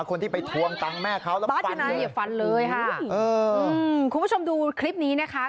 คนที่ไปทวงตังค์แม่เขาแล้วฟันเลยค่ะเอออืมคุณผู้ชมดูคลิปนี้นะคะ